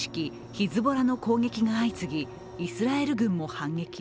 ヒズボラの攻撃が相次ぎ、イスラエル軍も反撃。